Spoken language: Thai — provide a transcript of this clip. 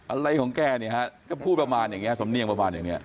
อะไรของแกเนี่ยพูดศอมเนียงประมาณอย่างี้